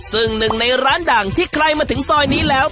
ซึ่งหนึ่งในร้านดังที่ใครมาถึงซอยนี้แล้ว